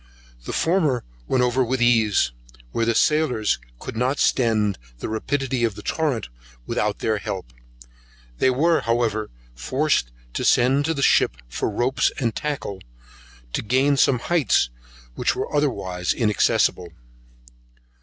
The former went over with ease, where the sailors could not stem the rapidity of the torrent without their help. They were, however, forced to send to the ship for ropes and tackles to gain some heights which were otherwise inaccessible.